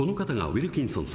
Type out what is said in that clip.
ウィルキンソン